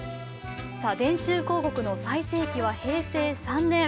電柱広告の最盛期は平成３年。